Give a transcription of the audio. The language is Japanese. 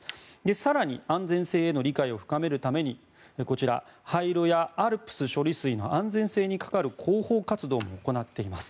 更に、安全性への理解を深めるためにこちら、廃炉やＡＬＰＳ処理水の安全性に係る広報活動も行っています。